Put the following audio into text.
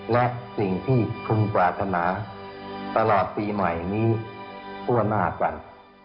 และสิ่งที่พึงปรารถนาตลอดปีใหม่นี้ทั่วหน้ากัน